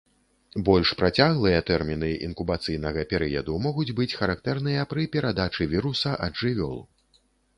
Больш працяглыя тэрміны інкубацыйнага перыяду могуць быць характэрныя пры перадачы віруса ад жывёл.